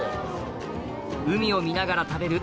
海を見ながら食べる